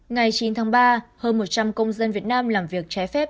ngày chín tháng ba hơn một trăm linh công dân việt nam làm việc trái phép